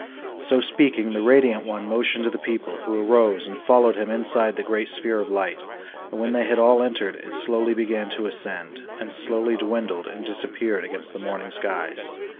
So speaking, the radiant one motioned to the people, who arose, and followed him inside the great sphere of light; and when they had all entered, it slowly began to ascend, and slowly dwindled and disappeared against the morning skies.